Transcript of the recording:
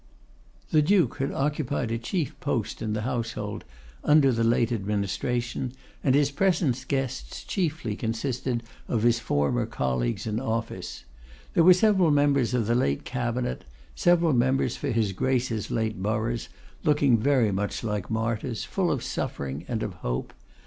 The Duke had occupied a chief post in the Household under the late administration, and his present guests chiefly consisted of his former colleagues in office. There were several members of the late cabinet, several members for his Grace's late boroughs, looking very much like martyrs, full of suffering and of hope. Mr.